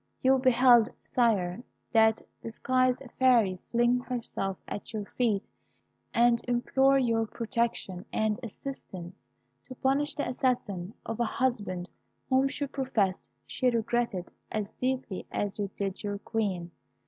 You beheld, Sire, that disguised Fairy fling herself at your feet, and implore your protection and assistance to punish the assassin of a husband whom she professed she regretted as deeply as you did your Queen.